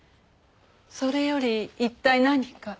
それより一体何か？